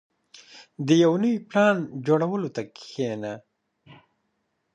• د یو نوي پلان جوړولو ته کښېنه.